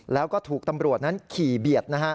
แล้วก็ถูกตำรวจนั้นขี่เบียดนะฮะ